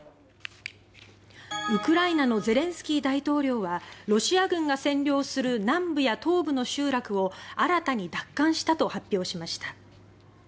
ウクライナのゼレンスキー大統領はロシア軍が占領する南部や東部の集落を新たに奪還したと発表しました。